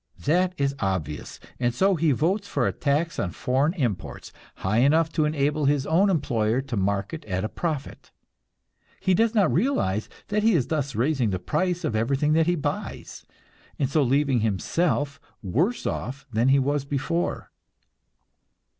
That is obvious, and so he votes for a tax on foreign imports, high enough to enable his own employer to market at a profit. He does not realize that he is thus raising the price of everything that he buys, and so leaving himself worse off than he was before.